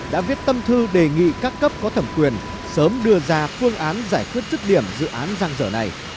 đã viết tâm thư đề nghị các cấp có thẩm quyền sớm đưa ra phương án giải quyết rứt điểm dự án răng dở này